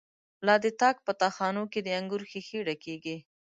لا د تاک په تا خانو کی، دانګور ښيښی ډکيږی